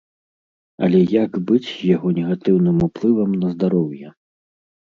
Але як быць з яго негатыўным уплывам на здароўе?